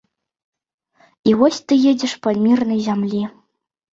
І вось ты едзеш па мірнай зямлі.